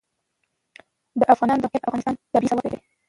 د افغانستان د موقعیت د افغانستان طبعي ثروت دی.